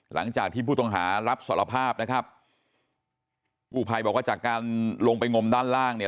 หลังจากที่ผู้ต้องหารับสารภาพนะครับกู้ภัยบอกว่าจากการลงไปงมด้านล่างเนี่ย